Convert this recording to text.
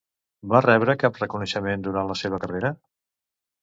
Va rebre cap reconeixement durant la seva carrera?